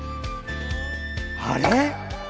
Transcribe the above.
あれ？